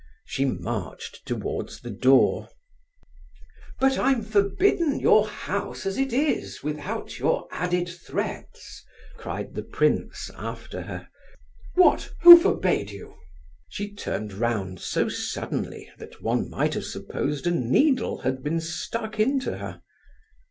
She marched towards the door. "But I'm forbidden your house as it is, without your added threats!" cried the prince after her. "What? Who forbade you?" She turned round so suddenly that one might have supposed a needle had been stuck into her.